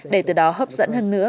để từ đó hấp dẫn hơn nữa